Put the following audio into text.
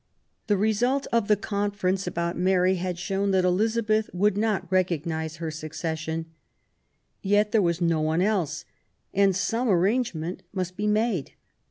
The result of the conference about Mary had shown that Elizabeth would not recognise her suc cession. Yet there was no one else, and some arrangement must be made.